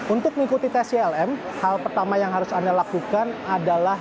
untuk mengikuti tes clm hal pertama yang harus anda lakukan adalah